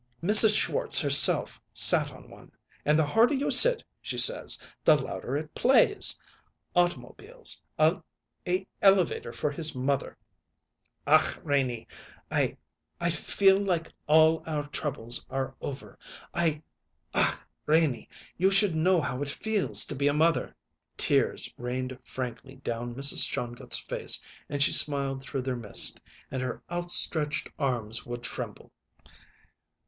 Mrs. Schwartz herself sat on one; and the harder you sit, she says, the louder it plays. Automobiles; a elevator for his mother! I Ach, Renie, I I feel like all our troubles are over. I Ach, Renie, you should know how it feels to be a mother." Tears rained frankly down Mrs. Shongut's face and she smiled through their mist, and her outstretched arms would tremble.